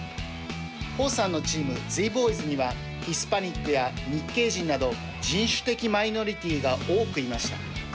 ホーさんのチームＺ−Ｂｏｙｓにはヒスパニックや日系人など人種的マイノリティーが多くいました。